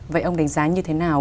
vậy ông đánh giá như thế nào